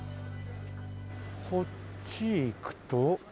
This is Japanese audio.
こっち行くと？